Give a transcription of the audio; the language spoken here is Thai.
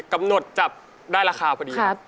กำหนดจับได้ราคาพอดี